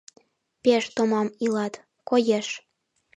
Пеш томам илат, коеш.